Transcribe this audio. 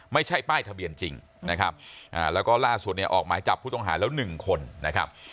ไม่ใช่ป้ายทะเบียนจริงนะครับแล้วก็ล่าสุดเนี่ยออกหมายจับผู้ต้องหาแล้วหนึ่งคนนะครับ